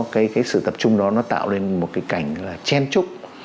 cái sự tập trung đó nó tạo lên một cái cảnh là chen trúc